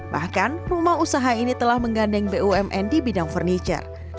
bahkan rumah usaha ini telah menggandeng bumn di bidang furniture